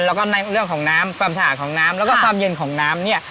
แล้วก็ในเรื่องของน้ำความสะอาดของน้ำแล้วก็ความเย็นของน้ำเนี่ย